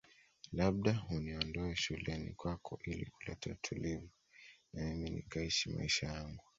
Labda uniondoe shuleni kwako ili kuleta utulivu na mimi nikaishi maisha yangu